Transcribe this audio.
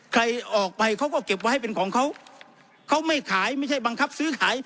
ใครออกไปเขาก็เก็บไว้เป็นของเขาเขาไม่ขายไม่ใช่บังคับซื้อขาย